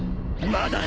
まだ！